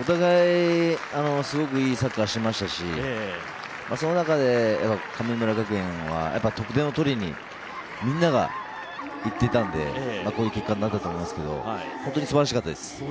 お互い、すごくいいサッカーしてましたし、その中で、神村学園は得点を取りにみんなが行っていたのでこういう結果になったと思いますけど本当にすばらしかったです。